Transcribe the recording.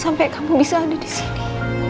sampai kamu bisa ada disini